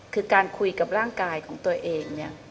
คือการคุยกับร่างกายของตัวเองเนี่ย